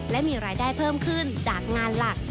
และมีรายได้เพิ่มขึ้นจากงานหลัก